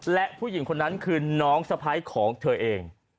และผู้หญิงคนนั้นคือน้องสะพ้ายของเธอเอง